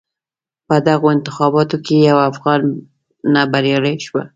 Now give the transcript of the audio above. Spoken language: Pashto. په دغو انتخاباتو کې یوه افغانه بریالی شوه.